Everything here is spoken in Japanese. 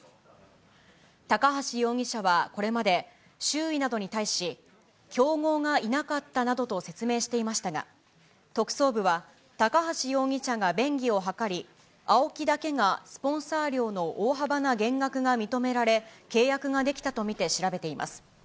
高橋容疑者はこれまで周囲などに対し、競合がいなかったなどと説明していましたが、特捜部は、高橋容疑者が便宜を図り、ＡＯＫＩだけがスポンサー料の大幅な減額が認められ、契約ができたと見て調べています。